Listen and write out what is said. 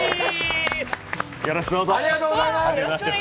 よろしくどうぞ。